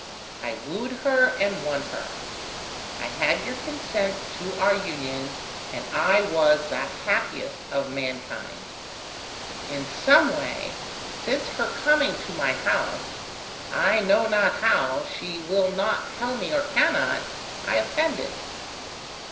I wooed her and won her; I had your consent to our union, and I was the happiest of mankind. In some way, since her coming to my house, I know not how she will not tell me, or cannot I offended.